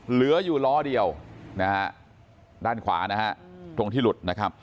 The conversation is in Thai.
เหลืออยู่ล้อเดียวด้านขวาตรงที่หลุด